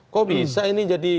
kok bisa ini jadi